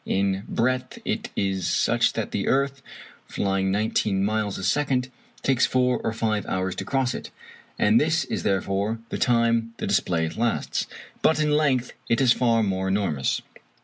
In breadth it is such that the earth, flying nineteen miles a second, takes four or five hours to cross it, and this is therefore the time the display lasts. But in length it is far more enormous.